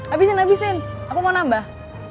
abisin abisin aku mau nambah